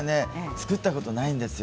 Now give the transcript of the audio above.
使ったことないんですよ